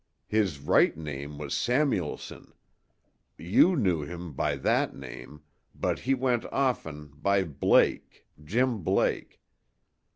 His right name was Samuelson. You knew him by that name but he went often by Blake Jim Blake.